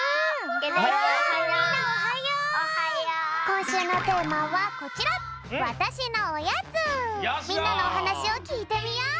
こんしゅうのテーマはこちらみんなのおはなしをきいてみよう！